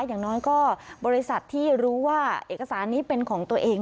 อย่างน้อยก็บริษัทที่รู้ว่าเอกสารนี้เป็นของตัวเอง